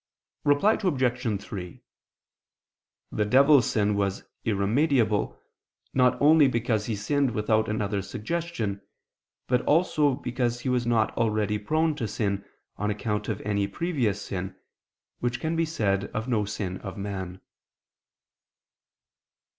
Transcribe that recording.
Reply Obj. 3: The devil's sin was irremediable, not only because he sinned without another's suggestion; but also because he was not already prone to sin, on account of any previous sin; which can be said of no sin of man.